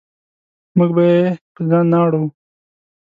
موږ به یې په ځان نه اړوو.